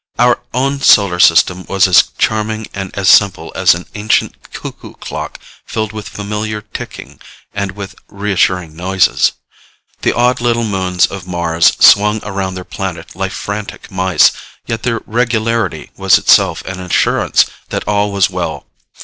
Our own solar system was as charming and as simple as an ancient cuckoo clock filled with familiar ticking and with reassuring noises. The odd little moons of Mars swung around their planet like frantic mice, yet their regularity was itself an assurance that all was well.